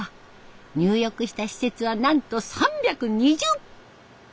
入浴した施設はなんと３２０！